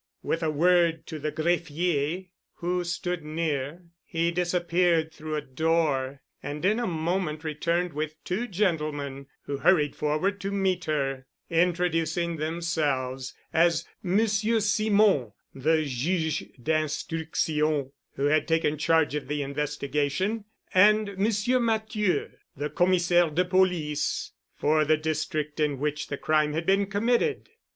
With a word to the greffier who stood near, he disappeared through a door and in a moment returned with two gentlemen who hurried forward to meet her, introducing themselves as Monsieur Simon, the Juge d'Instruction, who had taken charge of the investigation, and Monsieur Matthieu, the Commissaire de Police for the District in which the crime had been committed.